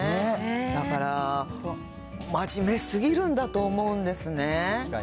だから真面目すぎるんだと思うんですね。